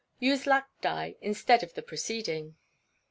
_ Use lac dye instead of the preceding.